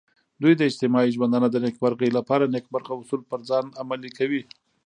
دوی د اجتماعي ژوندانه د نیکمرغۍ لپاره نیکمرغه اصول پر ځان عملي کوي.